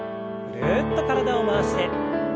ぐるっと体を回して。